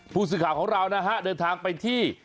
ผู้สื่อข่าวของเรานะฮะเดินทางไปที่